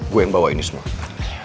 gue yang bawa ini semua